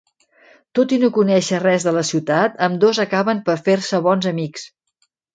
Tot i no conèixer res de la ciutat, ambdós acaben per fer-se bons amics.